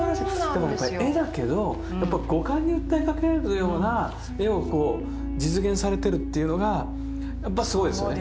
でもこれ絵だけど五感に訴えかけるような絵を実現されてるっていうのがやっぱすごいですよね。